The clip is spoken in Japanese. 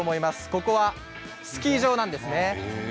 ここはスキー場なんですね。